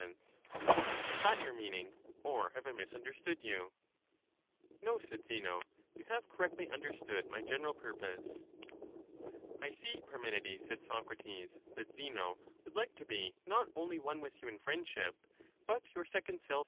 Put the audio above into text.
the same Is that your meaning, or have I misunderstood you ?*^™«'^^*^^ 128 No, said Zeno ; you have correctly understood my general ^ibie. purpose. I see, Parmenides, said Socrates, that Zeno would like to 'The many be not only one with you in friendship but your second self ^y"^.